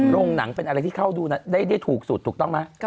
โรงหนังเป็นอะไรที่เข้าดูได้ถูกสุดถูกต้องไหม